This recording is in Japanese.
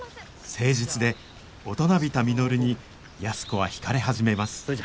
誠実で大人びた稔に安子は引かれ始めますそれじゃ。